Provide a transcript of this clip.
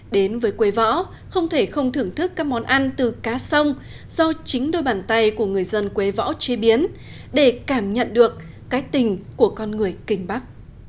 đến với quê võ không thể không thưởng thức các món ăn từ cá sông do chính đôi bàn tay của người dân quế võ chế biến để cảm nhận được cái tình của con người kinh bắc